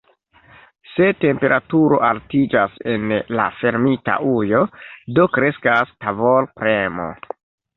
Se temperaturo altiĝas en la fermita ujo, do kreskas tavolpremo.